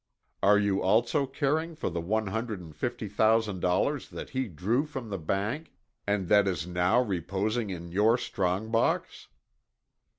"Are you also caring for the one hundred and fifty thousand dollars that he drew from the bank and that is now reposing in your strong box?"